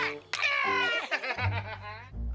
banyak duit juga